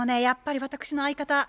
やっぱり私の相方